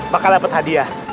bakal dapet hadiah